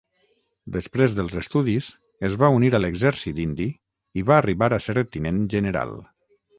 Després dels estudis es va unir a l'exèrcit indi i va arribar a ser tinent general.